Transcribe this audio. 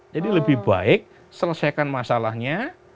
jadi lebih baik selesaikan masalahnya